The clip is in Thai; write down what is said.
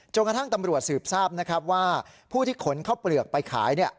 กระทั่งตำรวจสืบทราบนะครับว่าผู้ที่ขนข้าวเปลือกไปขาย